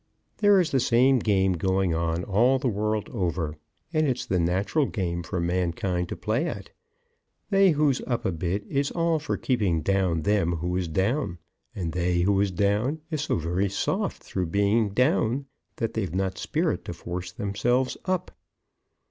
There's the same game going on all the world over; and it's the natural game for mankind to play at. They who's up a bit is all for keeping down them who is down; and they who is down is so very soft through being down, that they've not spirit to force themselves up.